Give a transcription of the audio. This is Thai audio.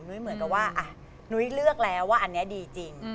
เหมือนกับว่านุ้ยเลือกแล้วว่าอันนี้ดีจริง